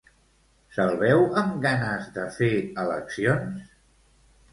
Se'l veu amb ganes de fer eleccions?